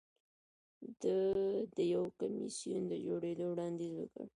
ده د یو کمېسیون د جوړېدو وړاندیز وکړ